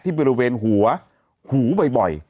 ที่บริเวณหูหูบ่อย